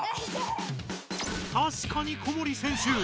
たしかに小森選手